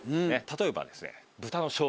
例えばですね。